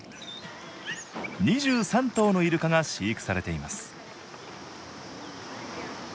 ２３頭のイルカが飼育されています